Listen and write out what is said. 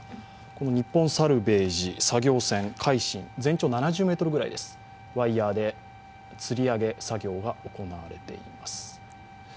この日本サルヴェージ作業船「海進」全長７０ｍくらいです、ワイヤーでつり上げ作業が行われています。